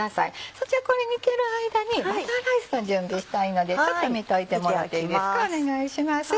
そちらこれ煮てる間にバターライスの準備したいのでちょっと見といてもらっていいですかお願いします。